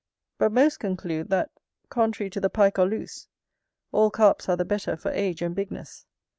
But most conclude, that, contrary to the Pike or Luce, all Carps are the better for age and bigness.